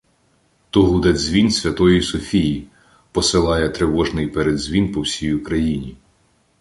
То гуде дзвін Святої Софії — посилає тривожний передзвін по всій Україні.